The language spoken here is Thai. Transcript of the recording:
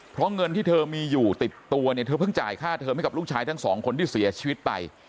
เพราะเงินที่เธอมีอยู่ติดตัวเนี่ยเธอเพิ่งจ่ายค่าเทอมให้กับลูกชายทั้งสองคนที่เสียชีวิตไป